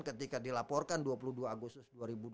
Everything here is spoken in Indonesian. ketika dilaporkan dua puluh dua agustus dua ribu dua puluh dua